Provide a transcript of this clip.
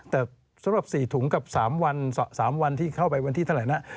แต่สำหรับ๔ถุงกับ๓วันที่เข้าไปวันที่เท่าไหร่นะ